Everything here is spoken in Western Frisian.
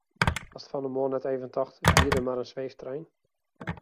Hast fan 'e moarn net even tocht wie der mar in sweeftrein?